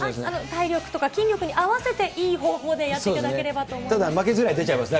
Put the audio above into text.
体力とか筋力に合わせて、いい方法でやっていただければと思います。